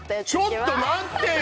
ちょっと待ってよ！